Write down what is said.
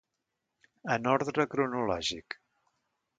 En ordre cronològic.